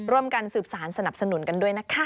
ร่วมกันสืบสารสนับสนุนกันด้วยนะคะ